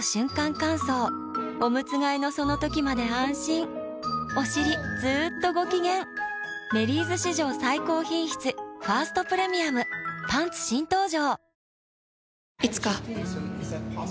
乾燥おむつ替えのその時まで安心おしりずっとご機嫌「メリーズ」史上最高品質「ファーストプレミアム」パンツ新登場！